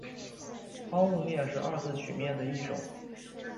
抛物面是二次曲面的一种。